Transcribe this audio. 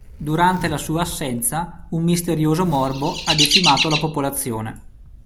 Durante la sua assenza un misterioso morbo ha decimato la popolazione.